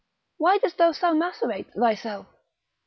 Why dost thou so macerate thyself?